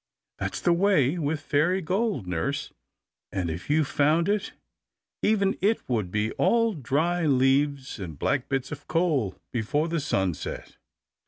That's the way with fairy gold, nurse; and if you found it, even, it would all be dry leaves and black bits of coal before the sun set."